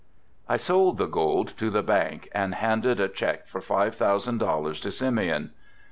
I sold the gold to the bank and handed a cheque for five thousand dollars to Simeon.